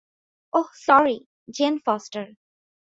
Oh, sorry, Jane foster.